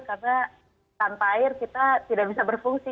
karena tanpa air kita tidak bisa berfungsi